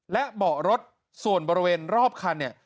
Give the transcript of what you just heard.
และเบาะรถส่วนบริเวณรอบคันเนี่ย